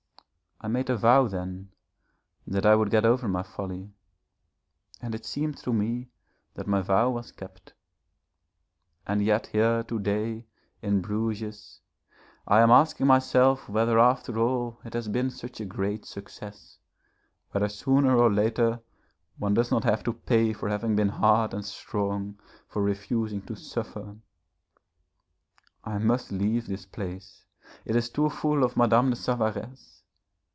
I made a vow then that I would get over my folly, and it seemed to me that my vow was kept. And yet here to day, in Bruges, I am asking myself whether after all it has been such a great success, whether sooner or later one does not have to pay for having been hard and strong, for refusing to suffer.... I must leave this place, it is too full of Madame de Savaresse....